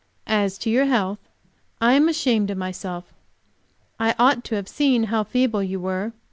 As to your health, I am ashamed of myself. I ought to have seen how feeble you were.